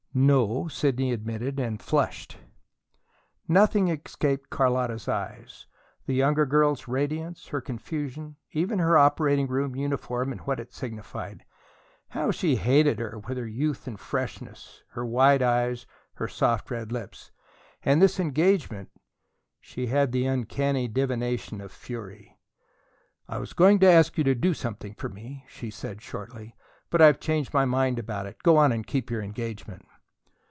"No," Sidney admitted, and flushed. Nothing escaped Carlotta's eyes the younger girl's radiance, her confusion, even her operating room uniform and what it signified. How she hated her, with her youth and freshness, her wide eyes, her soft red lips! And this engagement she had the uncanny divination of fury. "I was going to ask you to do something for me," she said shortly; "but I've changed my mind about it. Go on and keep your engagement."